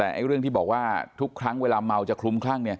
แต่เรื่องที่บอกว่าทุกครั้งเวลาเมาจะคลุมคลั่งเนี่ย